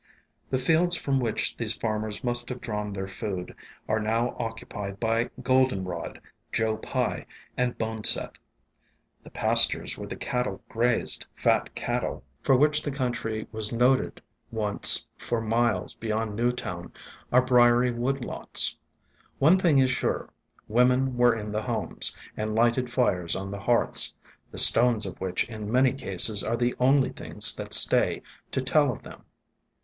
The fields from which these farmers must have drawn their food, are now occupied by Goldenrod, Joe Pye, and Boneset. The pastures where the cattle grazed — fat cattle, 'THE KENILWORTH |VY THAT CLINGS ABOUT OLD 5TONE ESCAPED FROM GARDENS 65 for which the country was noted once for miles beyond Newtown — are briary wood lots. One thing is sure: women were in the homes, and lighted fires on the hearths, the stones of which in many cases are the only things that stay to tell of them.